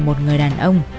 một người đàn ông